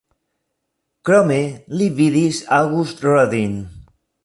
Krome li vidis Auguste Rodin.